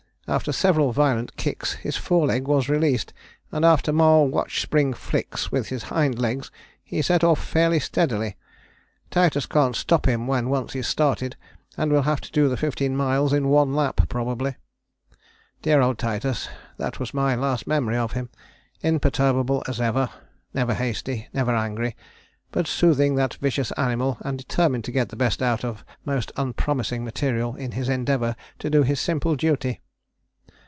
After several violent kicks his foreleg was released, and after more watch spring flicks with his hind legs he set off fairly steadily. Titus can't stop him when once he has started, and will have to do the fifteen miles in one lap probably! "Dear old Titus that was my last memory of him. Imperturbable as ever; never hasty, never angry, but soothing that vicious animal, and determined to get the best out of most unpromising material in his endeavour to do his simple duty.